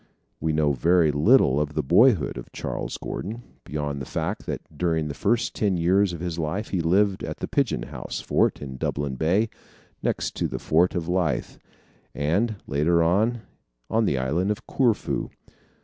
We know very little of the boyhood of Charles Gordon, beyond the fact that during the first ten years of his life he lived at the Pigeon House Fort, in Dublin Bay, next in the Fort of Leith, and later on the Island of Corfu.